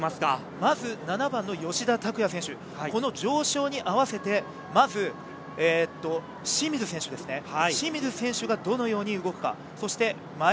まず７番の吉田拓矢選手、上昇に合わせてまず清水選手がどのように動くか。